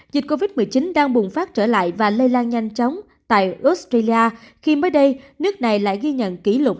dịch covid một mươi chín đang bùng phát trở lại và lây lan nhanh chóng tại australia khi mới đây nước này lại ghi nhận kỷ lục